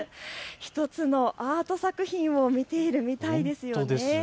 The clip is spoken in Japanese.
１つのアート作品を見ているみたいですよね。